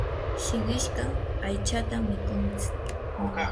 shillishqa aytsatam mikuntsik.